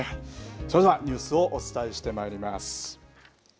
それでは、ニュースをお伝えしてまいります。